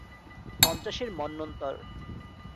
পঞ্চাশের মন্বন্তর।